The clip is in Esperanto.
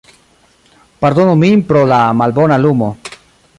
Pardonu min pro la malbona lumo